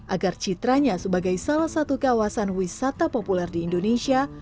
agar citranya sebagai salah satu kawasan wisata populer di indonesia